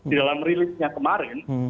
di dalam rilisnya kemarin